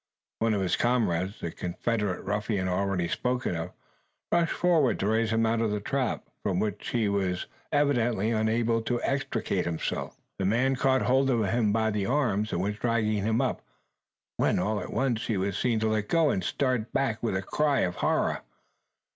One of his comrades, the confederate ruffian already spoken of, rushed forward to raise him out of the trap, from which he was evidently unable to extricate himself. The man caught hold of him by the arms, and was dragging him up; when, all at once, he was seen to let go, and start back with a cry of horror!